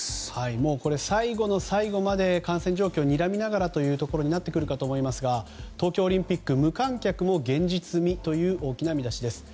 もう最後の最後まで感染状況をにらみながらとなってくるかと思いますが東京オリンピック無観客も現実味という大きな見出しです。